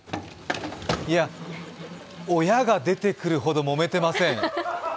いや、親が出てくるほどもめてません。